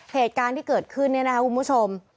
เหตุการณ์ที่เกิดขึ้นคุณผู้ชม